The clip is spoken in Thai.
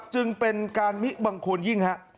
จึงเป็นการมิบังควรยิ่งฮะ